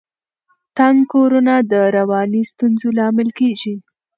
تنګ کورونه د رواني ستونزو لامل کیږي.